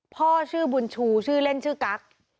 พ่อชื่อบุญชูชื่อเล่นชื่อกั๊ก